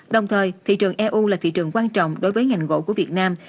đồng thời thị trường eu là thị trường quan trọng đối với ngành gỗ của việt nam